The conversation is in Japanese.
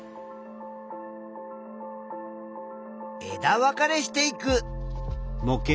枝分かれしていく。